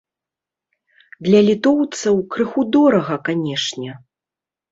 Для літоўцаў крыху дорага, канечне.